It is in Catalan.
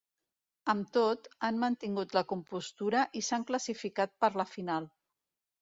Amb tot, han mantingut la compostura i s’han classificat per la final.